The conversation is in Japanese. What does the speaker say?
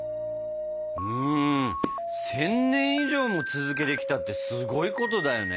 うん１，０００年以上も続けてきたってすごいことだよね！